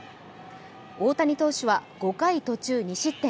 大谷投手は、５回途中２失点。